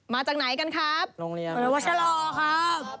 มาจากไหนกันครับโรงเรียนวัชลอค์ครับ